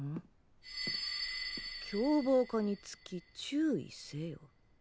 「凶暴化につき注意せよ」？